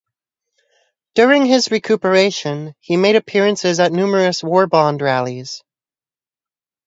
During his recuperation, he made appearances at numerous war bond rallies.